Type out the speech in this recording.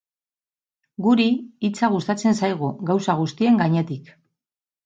Guri hitza gustatzen zaigu gauza guztien gainetik.